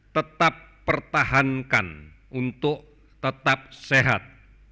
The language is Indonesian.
tetap pertahankan untuk tetap sehat